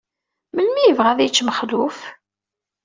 Melmi i yebɣa ad yečč Mexluf?